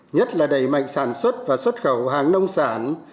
nhất là đẩy mạnh sản xuất và xuất khẩu hàng nông sản